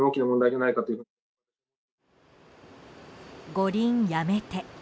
「五輪やめて！」